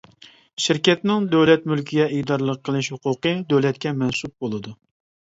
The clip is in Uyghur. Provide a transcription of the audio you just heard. شىركەتنىڭ دۆلەت مۈلكىگە ئىگىدارلىق قىلىش ھوقۇقى دۆلەتكە مەنسۇپ بولىدۇ.